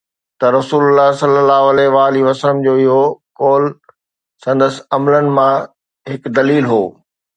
ته رسول الله صلي الله عليه وآله وسلم جو اهو قول سندس عملن مان هڪ دليل هو